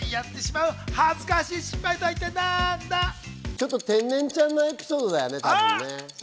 ちょっと天然ちゃんなエピソードだよね。